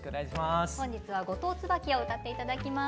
本日は「五島椿」を歌って頂きます。